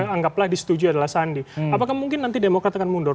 anggaplah disetujui adalah sandi apakah mungkin nanti demokrat akan mundur